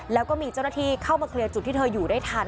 แล้วก็มีเจ้าหน้าที่เข้ามาเคลียร์จุดที่เธออยู่ได้ทัน